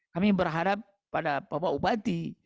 kami berharap pada bapak bupati